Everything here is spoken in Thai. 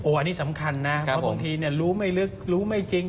อันนี้สำคัญนะเพราะบางทีรู้ไม่ลึกรู้ไม่จริง